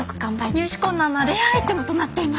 入手困難なレアアイテムとなっています！